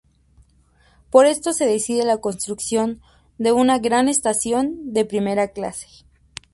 Por esto se decide la construcción de una "gran estación de primera clase".